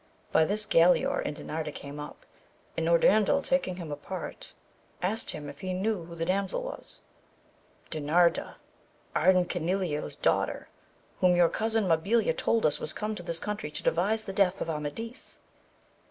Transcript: By this Galaor and Dinarda came up, and Norandel taking him apart, i'32 AMADIS OF GAUL, asked him if he knew who the damsel was ?— ^No. Dinarda, Ardan Canileo*s daughter, who your cousin Mabilia told us was come to this country to devise the death of Amadis.